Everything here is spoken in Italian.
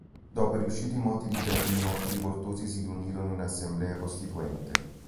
Dopo i riusciti moti di Berlino i rivoltosi si riunirono in assemblea costituente.